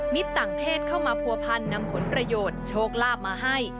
ต่างเพศเข้ามาผัวพันนำผลประโยชน์โชคลาภมาให้